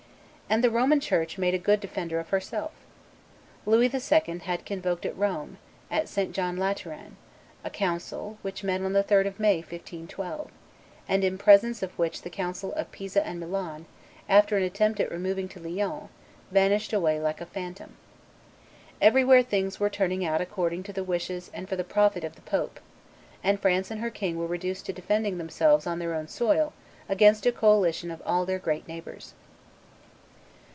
And the Roman Church made a good defender of herself. Julius II. had convoked at Rome, at St. John Lateran, a council, which met on the 3d of May, 1512, and in presence of which the council of Pisa and Milan, after an attempt at removing to Lyons, vanished away like a phantom. Everywhere things were turning out according to the wishes and for the profit of the pope; and France and her king were reduced to defending themselves on their own soil against a coalition of all their great neighbors.